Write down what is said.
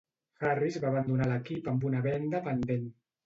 Harris va abandonar l"equip amb una venda pendent.